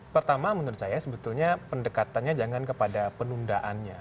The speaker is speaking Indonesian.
pertama menurut saya sebetulnya pendekatannya jangan kepada penundaannya